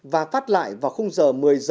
và phát lại vào khung giờ